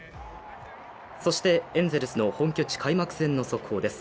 そしてエンゼルスの本拠地開幕戦の速報です。